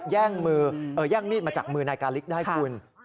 แย่งมีดมาจากมือนายกาลิกได้คุณ